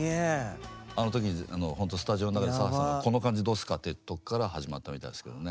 あの時ほんとスタジオの中で佐橋さんが「この感じどうっすか」ってとこから始まったみたいですけどね。